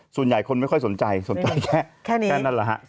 ส่วนใหญ่คนไม่ค่อยสนใจสนใจแค่นั่นล่ะฮะ